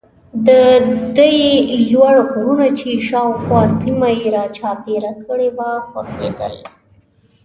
د ده یې لوړ غرونه چې شاوخوا سیمه یې را چاپېره کړې وه خوښېدل.